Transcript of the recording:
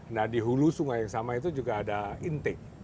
nah di hulu sungai yang sama itu juga ada intik